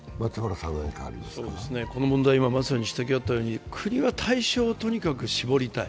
この問題、今まさに指摘があったように国は対象をとにかく絞りたい。